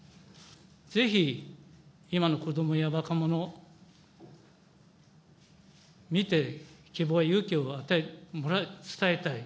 ぜひ、今の子どもや若者に見て、希望や勇気を伝えたい。